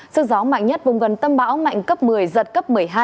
sức gió mạnh nhất vùng gần tâm bão mạnh cấp một mươi giật cấp một mươi hai